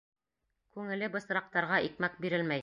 Күңеле бысраҡтарға икмәк бирелмәй.